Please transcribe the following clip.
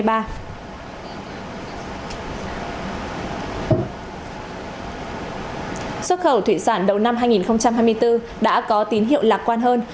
xuất khẩu thủy sản đầu năm hai nghìn hai mươi bốn đã có tín hiệu lạc quan hơn